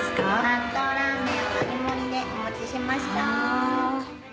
納豆ラーメンを並盛りでお持ちしました。